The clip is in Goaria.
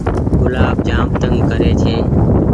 گلآب جآم تنگ ڪري ڇي۔